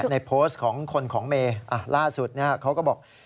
ในโพสต์ของคนของเมย์ล่าสุดเขาก็บอก